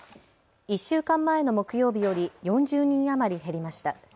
１週間前の木曜日より４０人余り減りました。